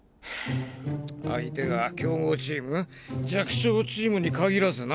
相手が強豪チーム弱小チームに限らずな。